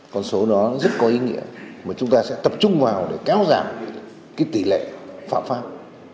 con số đó rất có ý nghĩa mà chúng ta sẽ tập trung vào để cao giảm tỷ lệ phạm pháp